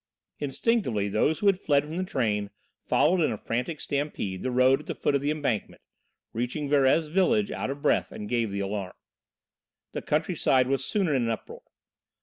Instinctively those who had fled from the train followed in a frantic stampede the road at the foot of the embankment, reached Verrez village out of breath and gave the alarm. The countryside was soon in an uproar.